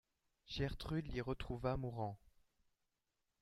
Gertrude l’y retrouva mourant.